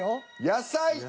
「野菜」。